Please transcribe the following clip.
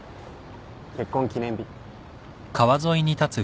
結婚記念日。